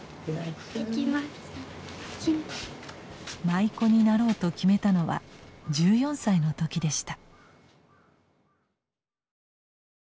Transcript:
舞妓になろうと決めたのは１４歳の時でした。